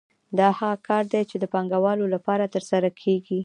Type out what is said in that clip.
دا هغه کار دی چې د پانګوالو لپاره ترسره کېږي